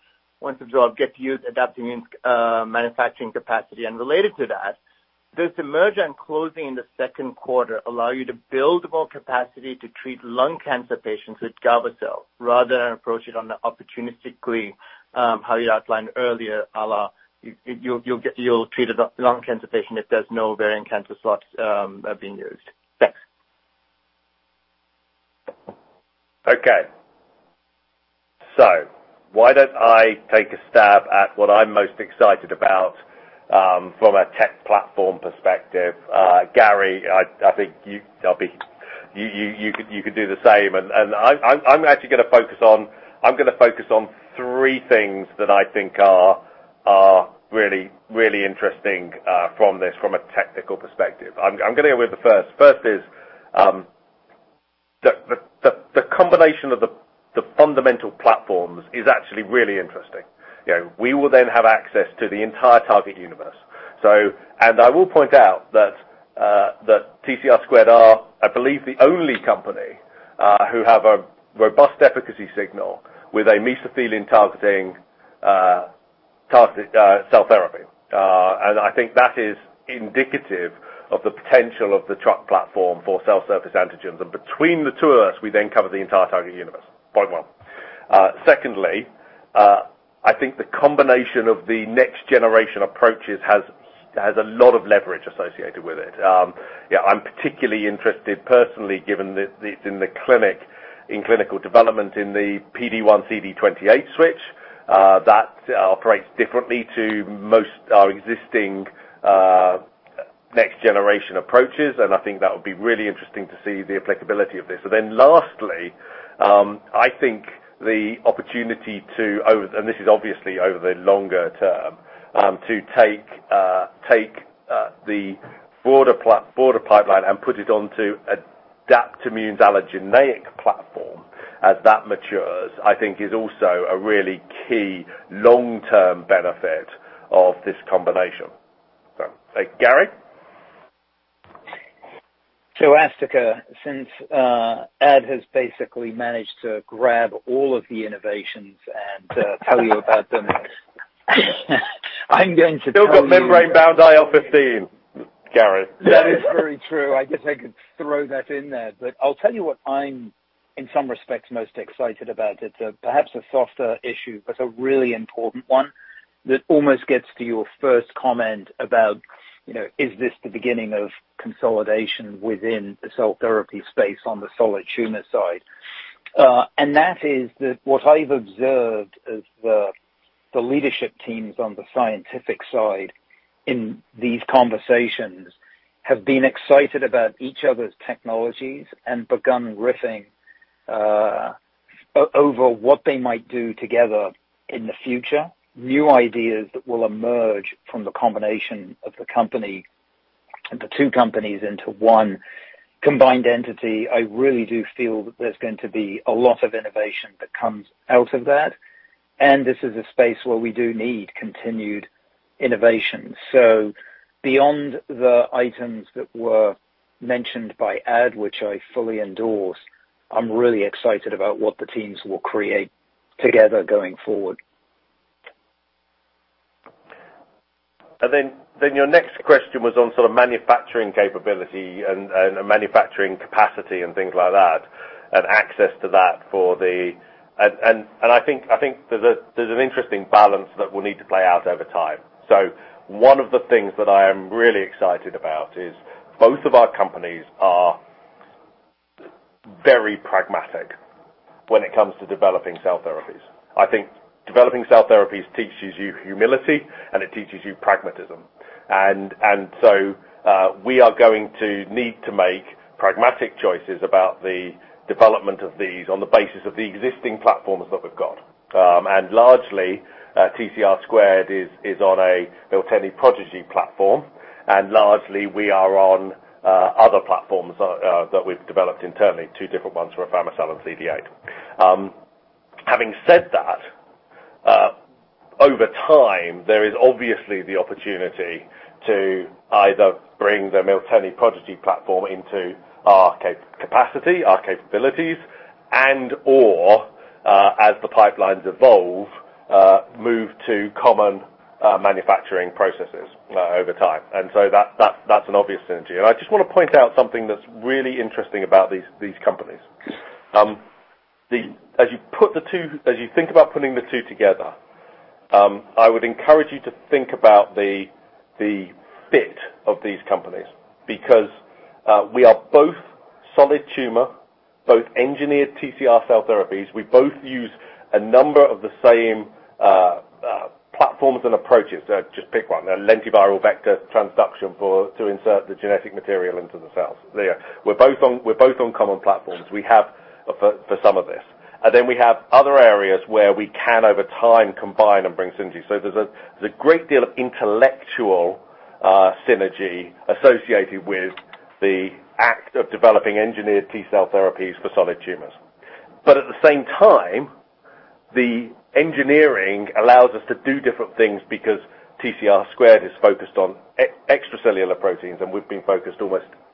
to draw, get to use Adaptimmune's manufacturing capacity. Related to that, does the merger and closing in the second quarter allow you to build more capacity to treat lung cancer patients with gavo-cel rather than approach it on the opportunistically, how you outlined earlier, a la you'll treat a lung cancer patient if there's no ovarian cancer slots are being used? Thanks. Okay. Why don't I take a stab at what I'm most excited about, from a tech platform perspective. Garry, I think you could do the same. I'm actually gonna focus on three things that I think are really, really interesting, from this from a technical perspective. I'm gonna go with the first. First is, the combination of the fundamental platforms is actually really interesting. You know, we will then have access to the entire target universe. I will point out that TCR² are, I believe, the only company who have a robust efficacy signal with a mesothelin targeting, targeted, cell therapy. I think that is indicative of the potential of the TRuC platform for cell surface antigens. Between the two of us, we then cover the entire target universe. Point one. Secondly, I think the combination of the next generation approaches has a lot of leverage associated with it. Yeah, I'm particularly interested personally, given in the clinic, in clinical development in the PD-1 CD28 switch that operates differently to most existing next generation approaches. I think that would be really interesting to see the applicability of this. Lastly, I think the opportunity to and this is obviously over the longer term, to take the broader pipeline and put it onto Adaptimmune's allogeneic platform as that matures, I think is also a really key long-term benefit of this combination. Garry? Asthika, since, Ad has basically managed to grab all of the innovations and, tell you about them I'm going to. Still got membrane-bound IL-15, Garry. That is very true. I guess I could throw that in there. I'll tell you what I'm, in some respects, most excited about. It's, perhaps a softer issue, but a really important one that almost gets to your first comment about, you know, is this the beginning of consolidation within the cell therapy space on the solid tumor side. That is that what I've observed is the leadership teams on the scientific side in these conversations have been excited about each other's technologies and begun riffing over what they might do together in the future. New ideas that will emerge from the combination of the company, the two companies into one combined entity. I really do feel that there's going to be a lot of innovation that comes out of that. This is a space where we do need continued innovation. Beyond the items that were mentioned by Ad, which I fully endorse, I'm really excited about what the teams will create together going forward. Then your next question was on sort of manufacturing capability and manufacturing capacity and things like that, and access to that. I think there's an interesting balance that will need to play out over time. One of the things that I am really excited about is both of our companies are very pragmatic when it comes to developing cell therapies. I think developing cell therapies teaches you humility, and it teaches you pragmatism. We are going to need to make pragmatic choices about the development of these on the basis of the existing platforms that we've got. Largely, TCR² is on a Miltenyi Prodigy platform, and largely we are on other platforms that we've developed internally, two different ones for afami-cel and CD8. Having said that, over time, there is obviously the opportunity to either bring the Miltenyi Prodigy platform into our capacity, our capabilities, and/or, as the pipelines evolve, move to common manufacturing processes over time. That's an obvious synergy. I just wanna point out something that's really interesting about these companies. As you think about putting the two together, I would encourage you to think about the fit of these companies because we are both solid tumor, both engineered TCR cell therapies. We both use a number of the same platforms and approaches. Just pick one, a lentiviral vector transduction to insert the genetic material into the cells. There you are. We're both on common platforms. We have for some of this. Then we have other areas where we can, over time, combine and bring synergy. There's a great deal of intellectual synergy associated with the act of developing engineered T-cell therapies for solid tumors. At the same time, the engineering allows us to do different things because TCR² is focused on extracellular proteins, and we've been focused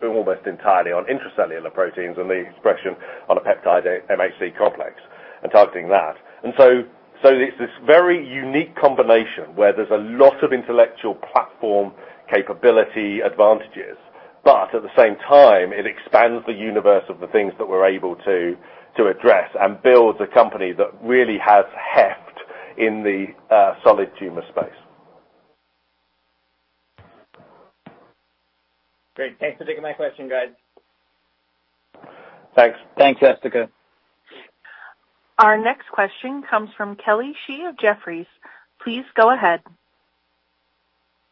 almost entirely on intracellular proteins and the expression on a peptide MHC complex and targeting that. It's this very unique combination where there's a lot of intellectual platform capability advantages. At the same time, it expands the universe of the things that we're able to address and builds a company that really has heft in the solid tumor space. Great. Thanks for taking my question, guys. Thanks. Thanks, Asthika. Our next question comes from Kelly Shi of Jefferies. Please go ahead.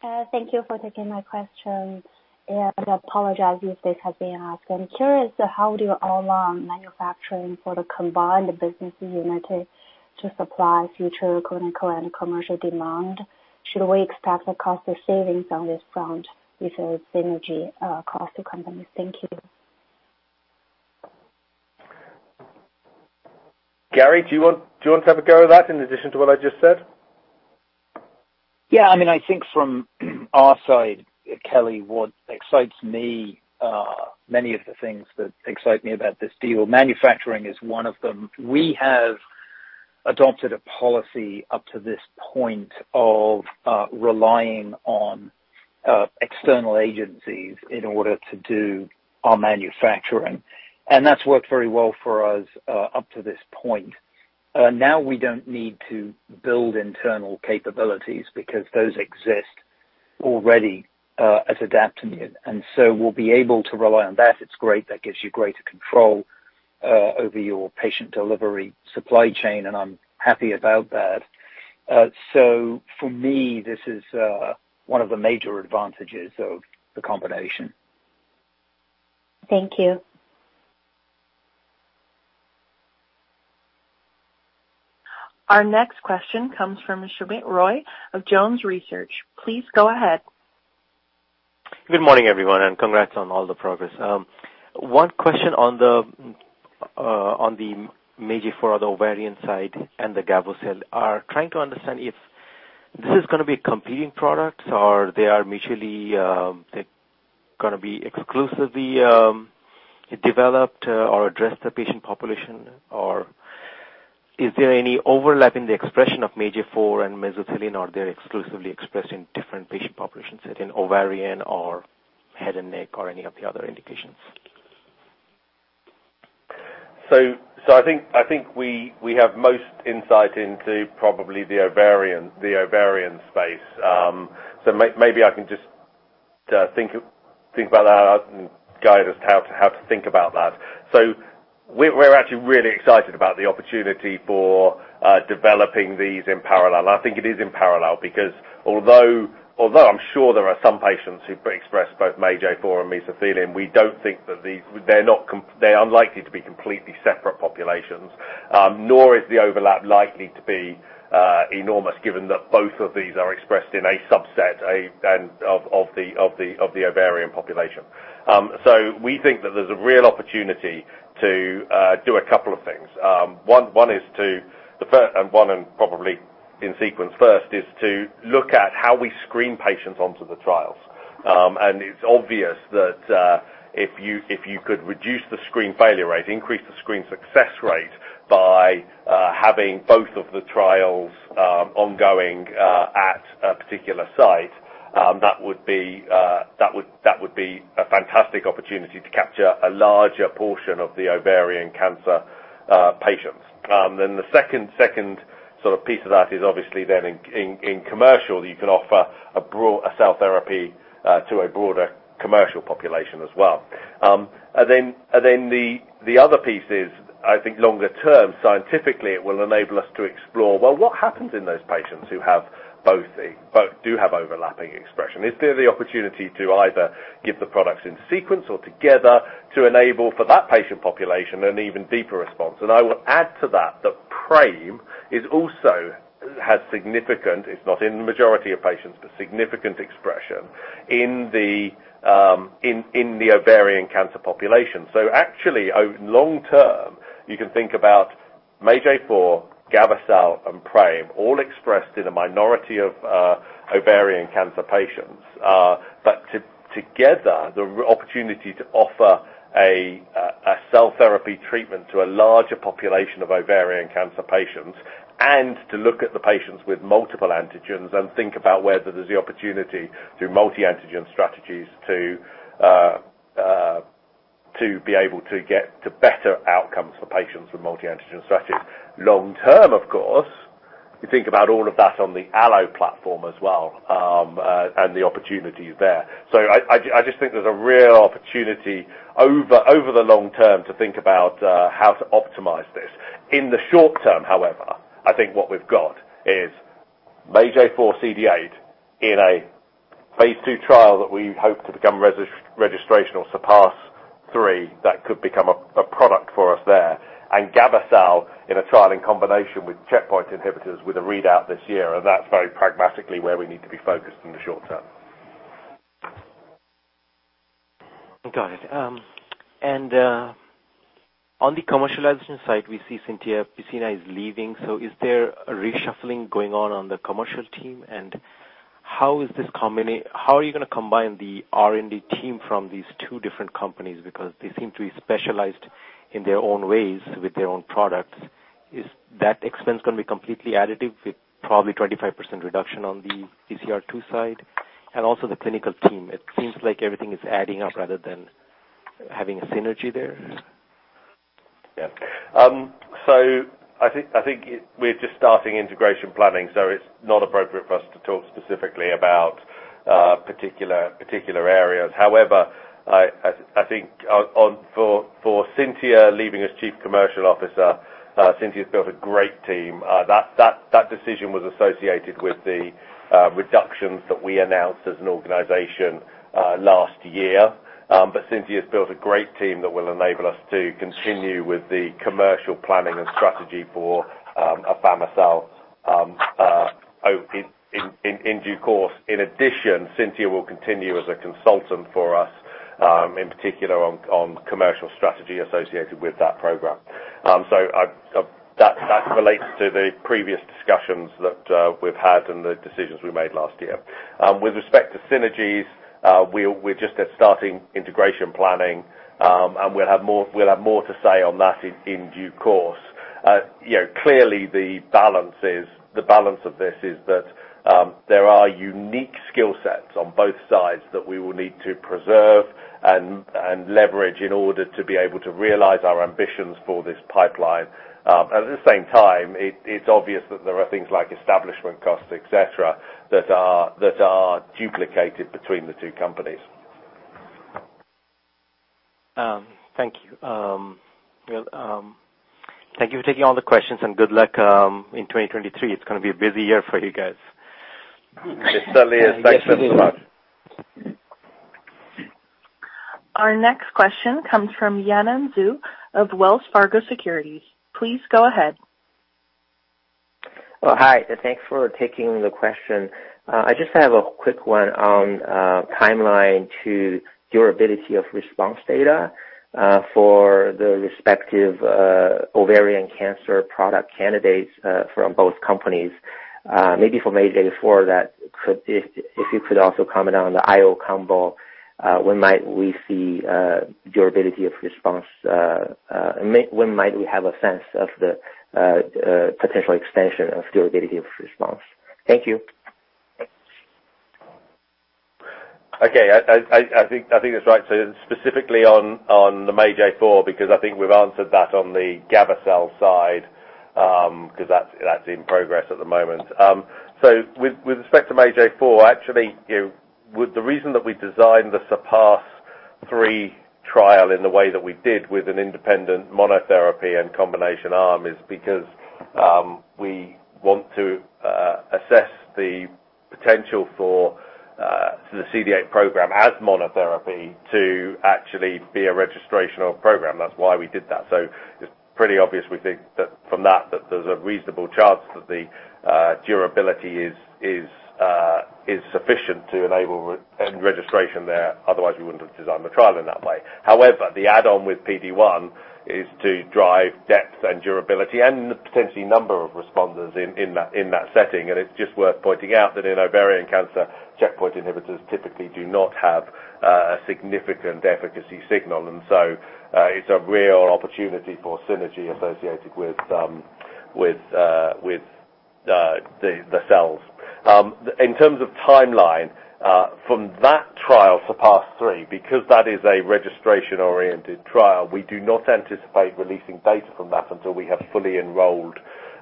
Thank you for taking my question. I apologize if this has been asked. I'm curious, how do you align manufacturing for the combined business unit to supply future clinical and commercial demand? Should we expect a cost of savings on this front with the synergy across the companies? Thank you. Garry, do you want, do you want to have a go at that in addition to what I just said? I mean, I think from our side, Kelly, what excites me, many of the things that excite me about this deal, manufacturing is one of them. We have adopted a policy up to this point of relying on external agencies in order to do our manufacturing, and that's worked very well for us up to this point. Now we don't need to build internal capabilities because those exist already at Adaptimmune. It's great. That gives you greater control over your patient delivery supply chain, and I'm happy about that. For me, this is one of the major advantages of the combination. Thank you. Our next question comes from Soumit Roy of Jones' Research. Please go ahead. Good morning, everyone. Congrats on all the progress. One question on the MAGE-A4 ovarian side and the gavo-cel. Are trying to understand if this is gonna be competing products or they are mutually, they're gonna be exclusively developed or address the patient population? Is there any overlap in the expression of MAGE-A4 and mesothelin, or they're exclusively expressed in different patient populations, say, in ovarian or head and neck or any of the other indications? I think we have most insight into probably the ovarian space. Maybe I can just think about that and guide us how to think about that. We're actually really excited about the opportunity for developing these in parallel. I think it is in parallel because although I'm sure there are some patients who express both MAGE-A4 and mesothelin, we don't think that these. They're unlikely to be completely separate populations, nor is the overlap likely to be enormous given that both of these are expressed in a subset, and of the ovarian population. We think that there's a real opportunity to do a couple of things. One and probably in sequence first is to look at how we screen patients onto the trials. It's obvious that if you could reduce the screen failure rate, increase the screen success rate by having both of the trials ongoing at a particular site, that would be a fantastic opportunity to capture a larger portion of the ovarian cancer patients. The second sort of piece of that is obviously then in commercial, you can offer a cell therapy to a broader commercial population as well. Then the other piece is, I think longer term, scientifically, it will enable us to explore, well, what happens in those patients who do have overlapping expression? Is there the opportunity to either give the products in sequence or together to enable for that patient population an even deeper response? I would add to that PRAME is also has significant, it's not in the majority of patients, but significant expression in the ovarian cancer population. Actually, long term, you can think about MAGE-A4, gavo-cel, and PRAME all expressed in a minority of ovarian cancer patients. But together, the opportunity to offer a cell therapy treatment to a larger population of ovarian cancer patients and to look at the patients with multiple antigens and think about whether there's the opportunity through multi-antigen strategies to be able to get to better outcomes for patients with multi-antigen strategies. Long term, of course, you think about all of that on the allogeniec platform as well, and the opportunities there. I just think there's a real opportunity over the long term to think about how to optimize this. In the short term, however, I think what we've got is MAGE-A4 CD8 in a phase II trial that we hope to become registration or SURPASS-3 that could become a product for us there. Gavo-cel in a trial in combination with checkpoint inhibitors with a readout this year. That's very pragmatically where we need to be focused in the short term. Got it. On the commercialization side, we see Cintia Piccina is leaving. Is there a reshuffling going on on the commercial team? How are you gonna combine the R&D team from these two different companies? Because they seem to be specialized in their own ways with their own products. Is that expense gonna be completely additive with probably 25% reduction on the TCR² side? Also the clinical team. It seems like everything is adding up rather than having a synergy there. I think we're just starting integration planning, so it's not appropriate for us to talk specifically about particular areas. However, I think for Cintia leaving as Chief Commercial Officer, Cintia's built a great team. That decision was associated with the reductions that we announced as an organization last year. Cintia's built a great team that will enable us to continue with the commercial planning and strategy for afami-cel in due course. In addition, Cintia will continue as a consultant for us in particular on commercial strategy associated with that program. That relates to the previous discussions that we've had and the decisions we made last year. With respect to synergies, we're just at starting integration planning. We'll have more to say on that in due course. You know, clearly the balance of this is that there are unique skill sets on both sides that we will need to preserve and leverage in order to be able to realize our ambitions for this pipeline. At the same time, it's obvious that there are things like establishment costs, et cetera, that are duplicated between the two companies. Thank you. Well, thank you for taking all the questions. Good luck in 2023. It's gonna be a busy year for you guys. It certainly is. Thanks very much. Our next question comes from Yanan Zhu of Wells Fargo Securities. Please go ahead. Hi, thanks for taking the question. I just have a quick one on timeline to durability of response data for the respective ovarian cancer product candidates from both companies. Maybe from ADP-A2M4 if you could also comment on the IO combo, when might we see durability of response, when might we have a sense of the potential expansion of durability of response? Thank you. Okay. I think that's right. Specifically on the MAGE-A4, because I think we've answered that on the gavo-cel side, 'cause that's in progress at the moment. With respect to MAGE-A4, actually, with the reason that we designed the SURPASS-3 trial in the way that we did with an independent monotherapy and combination arm is because we want to assess the potential for the CD8 program as monotherapy to actually be a registrational program. That's why we did that. It's pretty obvious we think that from that there's a reasonable chance that the durability is sufficient to enable registration there. Otherwise we wouldn't have designed the trial in that way. The add-on with PD-1 is to drive depth and durability and potentially number of responders in that setting. It's just worth pointing out that in ovarian cancer, checkpoint inhibitors typically do not have a significant efficacy signal. It's a real opportunity for synergy associated with the cells. In terms of timeline from that trial SURPASS-3, because that is a registration-oriented trial, we do not anticipate releasing data from that until we have fully enrolled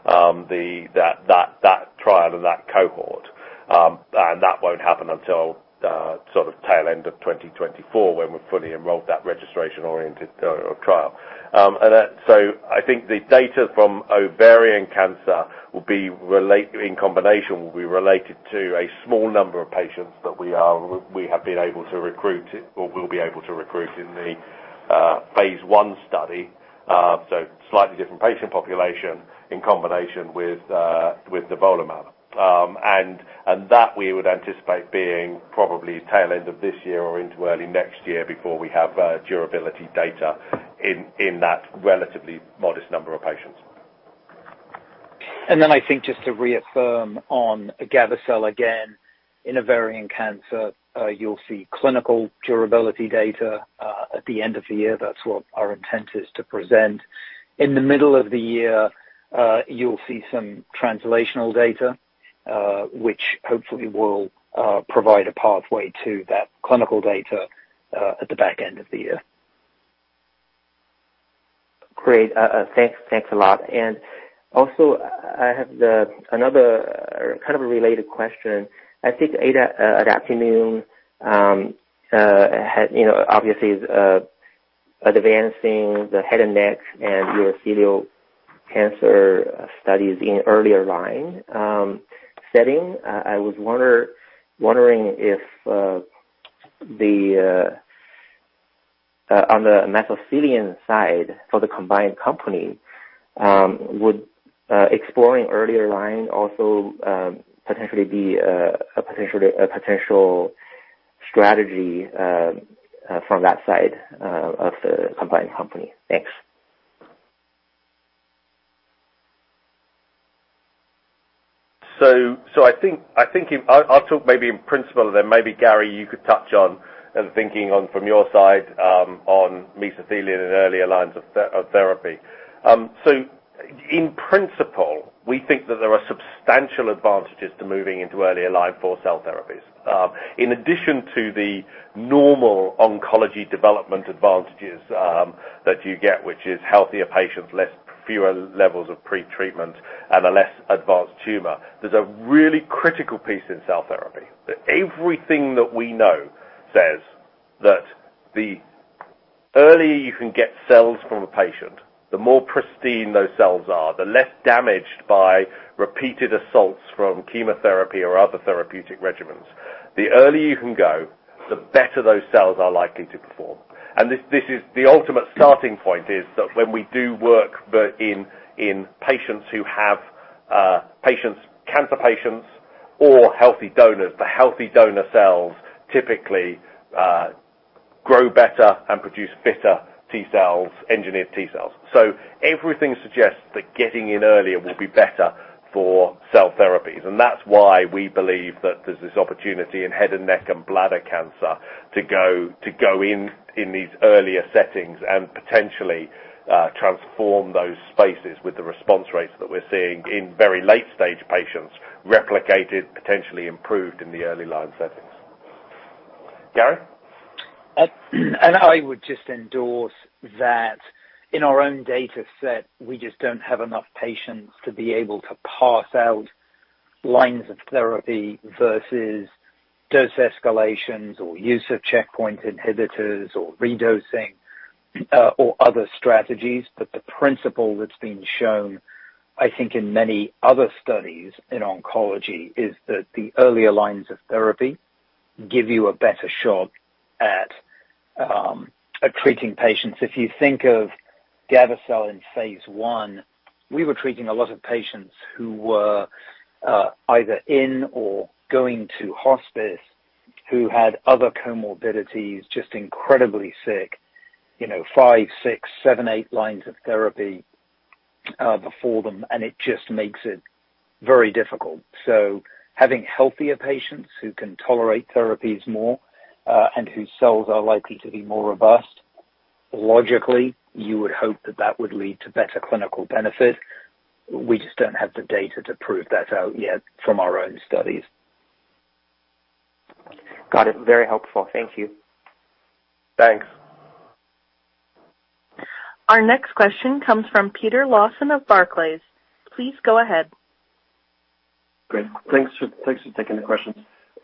that trial and that cohort. That won't happen until sort of tail end of 2024 when we've fully enrolled that registration-oriented trial. I think the data from ovarian cancer will be in combination, will be related to a small number of patients that we have been able to recruit or will be able to recruit in the phase I study. Slightly different patient population in combination with nivolumab. That we would anticipate being probably tail end of this year or into early next year before we have durability data in that relatively modest number of patients. I think just to reaffirm on gavo-cel again, in ovarian cancer, you'll see clinical durability data at the end of the year. That's what our intent is to present. In the middle of the year, you'll see some translational data, which hopefully will provide a pathway to that clinical data at the back end of the year. Great. Thanks. Thanks a lot. Also I have another kind of a related question. I think Adaptimmune had, you know, obviously is advancing the head and neck and urothelial cancer studies in earlier line setting. I was wondering if the on the mesothelioma side for the combined company, would exploring earlier line also potentially be a potential strategy from that side of the combined company. Thanks. I think I'll talk maybe in principle then maybe Garry you could touch on and thinking on from your side, on mesothelioma in earlier lines of therapy. In principle, we think that there are substantial advantages to moving into earlier line for cell therapies. In addition to the normal oncology development advantages that you get, which is healthier patients, fewer levels of pretreatment and a less advanced tumor. There's a really critical piece in cell therapy that everything that we know says that the earlier you can get cells from a patient, the more pristine those cells are, the less damaged by repeated assaults from chemotherapy or other therapeutic regimens. The earlier you can go, the better those cells are likely to perform. This is the ultimate starting point, is that when we do work in patients who have cancer patients or healthy donors, the healthy donor cells typically grow better and produce fitter T-cells, engineered T-cells. Everything suggests that getting in earlier will be better for cell therapies. That's why we believe that there's this opportunity in head and neck and bladder cancer to go in these earlier settings and potentially transform those spaces with the response rates that we're seeing in very late stage patients replicated, potentially improved in the early line settings. Garry? I would just endorse that in our own dataset, we just don't have enough patients to be able to parse out lines of therapy versus dose escalations or use of checkpoint inhibitors or re-dosing or other strategies. The principle that's been shown, I think in many other studies in oncology is that the earlier lines of therapy give you a better shot at. Are treating patients. If you think of afami-cel in phase I, we were treating a lot of patients who were either in or going to hospice, who had other comorbidities, just incredibly sick, you know, five, six, seven, eight lines of therapy before them, and it just makes it very difficult. Having healthier patients who can tolerate therapies more, and whose cells are likely to be more robust, logically, you would hope that that would lead to better clinical benefit. We just don't have the data to prove that out yet from our own studies. Got it. Very helpful. Thank you. Thanks. Our next question comes from Peter Lawson of Barclays. Please go ahead. Great. Thanks for taking the questions.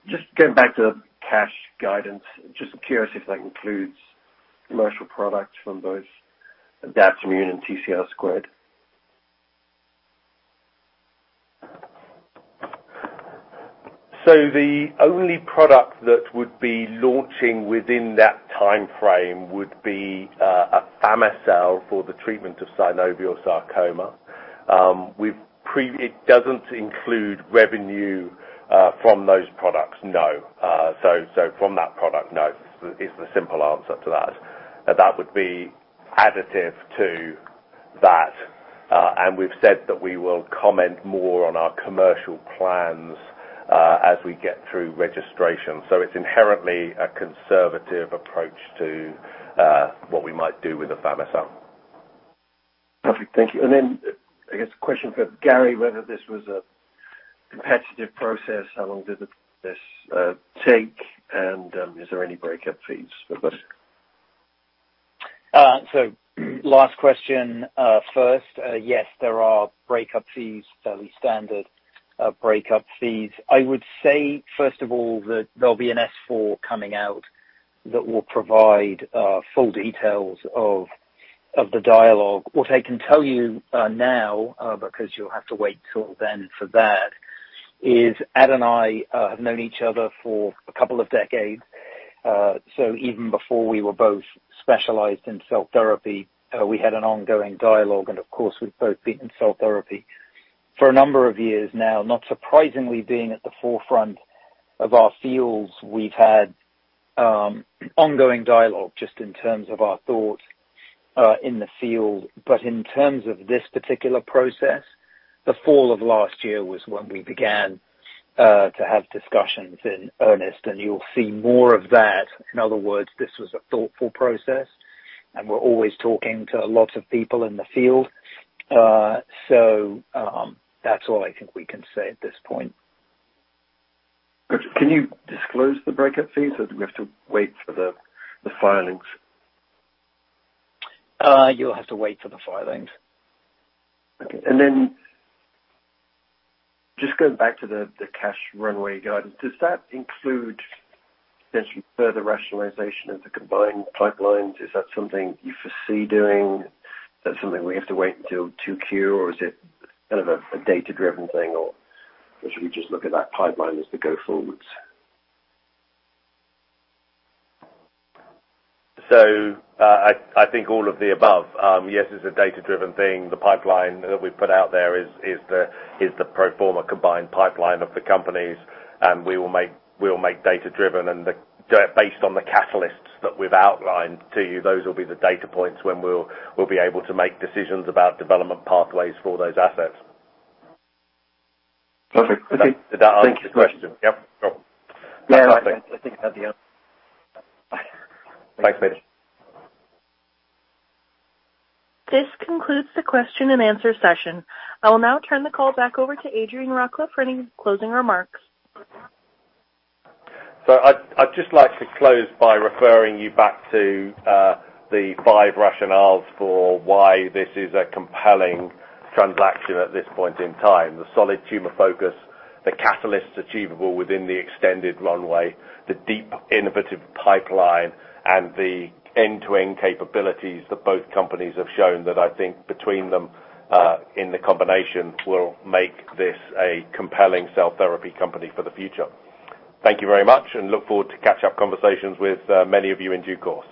Just going back to cash guidance, just curious if that includes commercial products from both Adaptimmune and TCR²? The only product that would be launching within that timeframe would be, afami-cel for the treatment of synovial sarcoma. It doesn't include revenue from those products, no. From that product, no, is the simple answer to that. That would be additive to that. We've said that we will comment more on our commercial plans, as we get through registration. It's inherently a conservative approach to, what we might do with afami-cel. Perfect. Thank you. I guess, a question for Garry, whether this was a competitive process, how long did this take, and is there any breakup fees for this? Last question, first, yes, there are breakup fees, fairly standard breakup fees. I would say, first of all, that there'll be an S-4 coming out that will provide full details of the dialogue. What I can tell you now, because you'll have to wait till then for that, is Ed and I have known each other for a couple of decades. Even before we were both specialized in cell therapy, we had an ongoing dialogue and of course, we've both been in cell therapy for a number of years. Now, not surprisingly, being at the forefront of our fields, we've had ongoing dialogue just in terms of our thought in the field. In terms of this particular process, the fall of last year was when we began to have discussions in earnest, and you'll see more of that. In other words, this was a thoughtful process, and we're always talking to lots of people in the field. That's all I think we can say at this point. Good. Can you disclose the breakup fees, or do we have to wait for the filings? You'll have to wait for the filings. Okay. Just going back to the cash runway guidance, does that include potentially further rationalization of the combined pipelines? Is that something you foresee doing? Is that something we have to wait until 2Q, or is it kind of a data-driven thing, or should we just look at that pipeline as the go forwards? I think all of the above. Yes, it's a data-driven thing. The pipeline that we've put out there is the pro forma combined pipeline of the companies, and we will make data-driven. Based on the catalysts that we've outlined to you, those will be the data points when we'll be able to make decisions about development pathways for those assets. Perfect. Did that answer your question? Thank you. Yep. No problem. I think that's the end. This concludes the question and answer session. I will now turn the call back over to Adrian Rawcliffe for any closing remarks. I'd just like to close by referring you back to the five rationales for why this is a compelling transaction at this point in time. The solid tumor focus, the catalysts achievable within the extended runway, the deep innovative pipeline and the end-to-end capabilities that both companies have shown that I think between them in the combination will make this a compelling cell therapy company for the future. Thank you very much and look forward to catch up conversations with many of you in due course.